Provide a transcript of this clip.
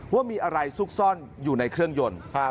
ว่ามีอะไรซุกซ่อนอยู่ในเครื่องยนต์